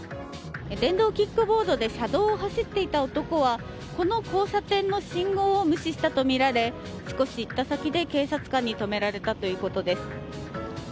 電動キックボードで車道を走っていた男はこの交差点の信号を無視したとみられ少し行った先で、警察官に止められたということです。